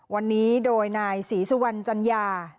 วันนี้โดยนายศรีสุวรรณจัญญา